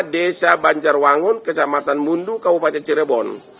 desa banjarwangun kecamatan mundu kabupaten cirebon